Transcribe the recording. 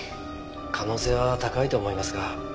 可能性は高いと思いますが。